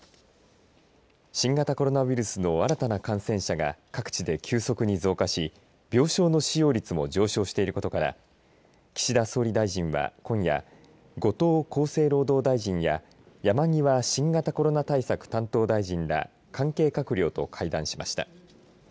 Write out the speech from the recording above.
新型コロナウイルスの新たな感染者が各地で急速に増加し病床の使用率も上昇していることから岸田総理大臣は今夜後藤厚生労働大臣や山際新型コロナ対策担当大臣ら関係閣僚と会談しました。